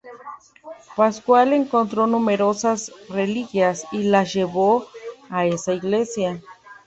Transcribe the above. Pascual encontró numerosas reliquias y las llevó a esta iglesia.